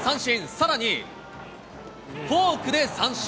さらにフォークで三振。